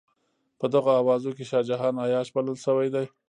په دغو اوازو کې شاه جهان عیاش بلل شوی دی.